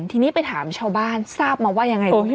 ทีนี้ไปถามชาวบ้านรู้สำหรับมันว่ายังไง